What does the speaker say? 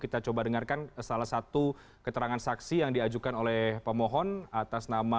kita coba dengarkan salah satu keterangan saksi yang diajukan oleh pemohon atas nama